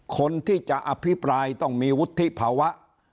คนที่จะอภิปรายต้องมีวุฒิภาวะ